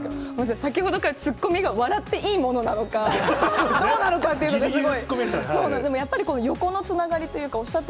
先ほどから突っ込みが笑っていいものなのか、どうなのかっていうのをすごい。